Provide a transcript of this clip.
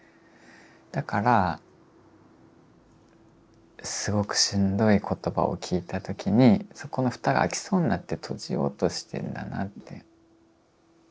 だからすごくしんどい言葉を聞いた時にそこの蓋が開きそうになって閉じようとしてんだなって。